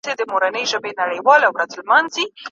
څېړونکی د متن هدف څنګه روښانه کوي؟